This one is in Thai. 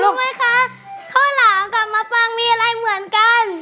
รู้ไหมคะข้าวหลามกับมะปังมีอะไรเหมือนกัน